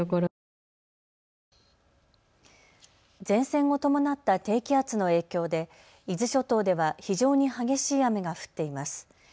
前線を伴った低気圧の影響で伊豆諸島では非常に激しい雨が降っています。